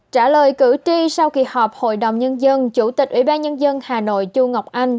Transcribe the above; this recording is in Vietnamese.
trả lời cử tri sau kỳ họp hội đồng nhân dân chủ tịch ủy ban nhân dân hà nội chu ngọc anh